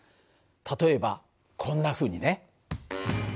例えばこんなふうにね。